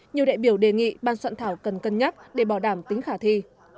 nhiều đại biểu đề nghị ban soạn thảo cần cân nhắc để bảo đảm tính khả thi